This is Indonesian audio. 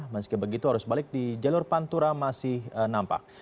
meski begitu arus balik di jalur pantura masih nampak